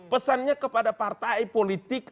pesannya kepada partai politik